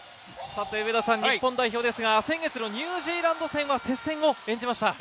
日本代表ですが先月のニュージーランド戦は接戦を演じました。